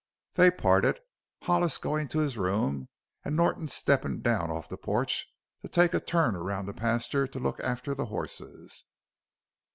They parted Hollis going to his room and Norton stepping down off the porch to take a turn down around the pasture to look after the horses.